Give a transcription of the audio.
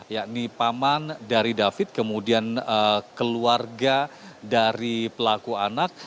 yakni paman dari david kemudian keluarga dari pelaku anak